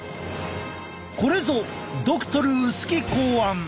これぞドクトル薄木考案！